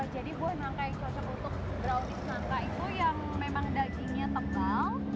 jadi buah nangka yang cocok untuk brownies nangka itu yang memang dagingnya tebal